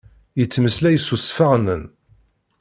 Yettmeslay s usfeɣnen.